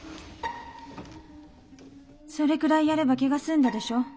それくらいやれば気が済んだでしょ？